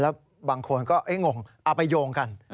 แล้วบางคนก็งงเอาไปโยงกัน